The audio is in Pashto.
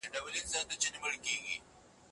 په سياسي چارو کي د خلکو ګډون ډېر اړين دی.